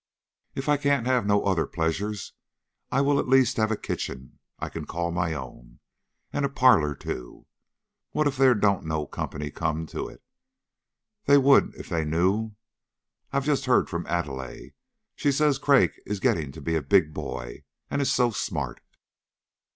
If I can't have no other pleasures, I will at least have a kitchen I can call my own, and a parlor too. What if there don't no company come to it; they would if they knew. I've just heard from Adelaide; she says Craik is getting to be a big boy, and is so smart."